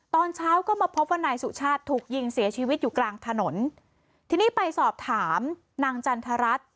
ตอนเช้าก็มาพบว่านายสุชาติถูกยิงเสียชีวิตอยู่กลางถนนทีนี้ไปสอบถามนางจันทรัฐ